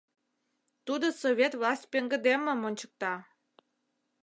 Тудо Совет власть пеҥгыдеммым ончыкта.